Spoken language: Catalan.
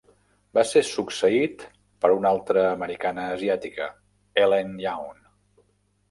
Va ser succeït per una altre americana asiàtica, Ellen Young.